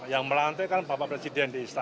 yang melantik kan bapak presiden di istana